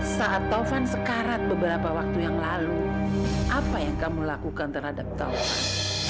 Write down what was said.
saat taufan sekarat beberapa waktu yang lalu apa yang kamu lakukan terhadap taufan